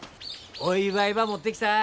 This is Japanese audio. お祝いば持ってきた。